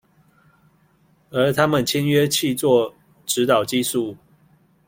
而他們簽約契作，指導技術